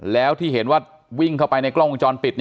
แล้วที่เห็นว่าวิ่งเข้าไปในกล้องวงจรปิด